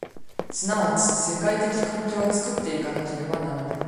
即ち世界的環境を作って行かなければならない。